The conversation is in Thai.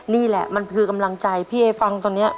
นี่แหละมันคือกำลังใจพี่เอ๊ฟังตอนนี้